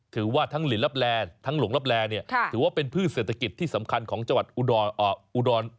ถือว่าทั้งหลุงรับแร์เนี่ยถือว่าเป็นพืชเศรษฐกิจที่สำคัญของอุดล์อุตฎฤด